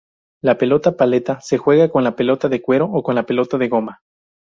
La pelota paleta se juega con pelota de cuero o con pelota de goma.